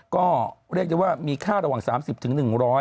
ก็เรียกได้ว่ามีค่าระหว่าง๓๐๑๐๐